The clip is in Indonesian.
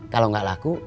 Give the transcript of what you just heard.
kalau enggak laku